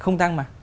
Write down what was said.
không tăng mà